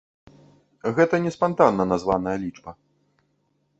Гэта не спантанна названая лічба.